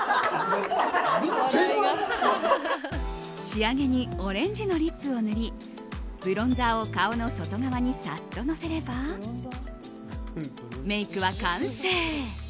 仕上げにオレンジのリップを塗りブロンザーを顔の外側にサッとのせればメイクは完成。